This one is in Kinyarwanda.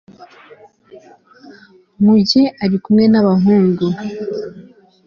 nkuge ari kumwe n abahungu